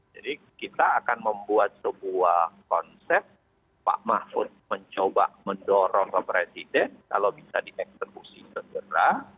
jadi kita akan membuat sebuah konsep pak mahfud mencoba mendorong pak presiden kalau bisa dieksekusi segera